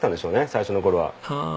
最初の頃は。